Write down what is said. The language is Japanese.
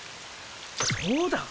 そうだ！